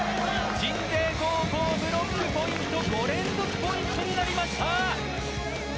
鎮西高校ブロックポイント５連続ポイントになりました。